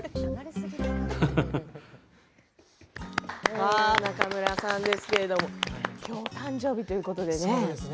多分なんか中村さんですけれども今日お誕生日ということでね。